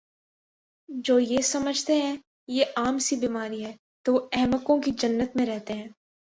جو یہ سمجھتے ہیں یہ عام سی بیماری ہے تو وہ احمقوں کی جنت میں رہتے ہیں